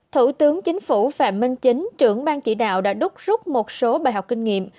thủ tướng chính phủ phạm minh chính trưởng ban chỉ đạo đã đúc rút một số bài học kinh nghiệm